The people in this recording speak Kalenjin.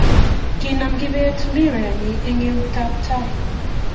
Kinam kibet mpirenyi eng eutab tai